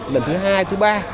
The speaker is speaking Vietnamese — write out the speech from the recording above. lần thứ hai thứ ba